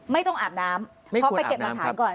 ไม่ต้องอาบน้ำเขาไปเก็บหลักฐานก่อน